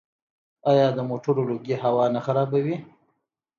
آیا د موټرو لوګی هوا نه خرابوي؟